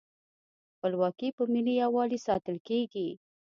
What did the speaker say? خپلواکي په ملي یووالي ساتل کیږي.